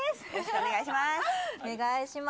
お願いします。